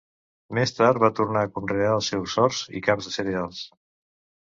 Més tard van tornar a conrear els seus horts i camps de cereals.